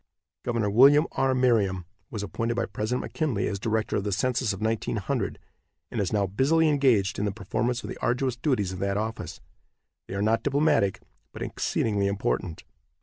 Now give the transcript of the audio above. Gov. William R. Merriam was appointed by President McKinley as director of the census of 1900, and is now busily engaged in the performance of the arduous duties of that office. They are not diplomatic, but exceedingly important.